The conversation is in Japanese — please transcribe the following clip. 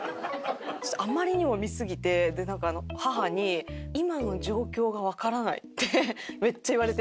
あまりにも見すぎてでなんか母に「今の状況がわからない」ってめっちゃ言われて。